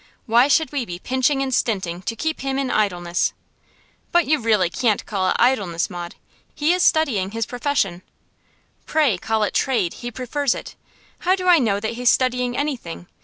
Why should we be pinching and stinting to keep him in idleness?' 'But you really can't call it idleness, Maud. He is studying his profession.' 'Pray call it trade; he prefers it. How do I know that he's studying anything?